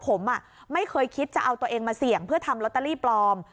ผมไม่เคยคิดจะเอาตัวเองมาเสี่ยงเพื่อทำลอตเตอรี่ปลอม